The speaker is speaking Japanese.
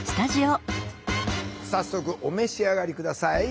早速お召し上がり下さい。